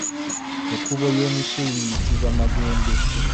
Ekkubo ly’emisu liyitibwa Magende.